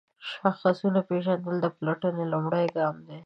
د شاخصونو پیژندل د پلټنې لومړی ګام دی.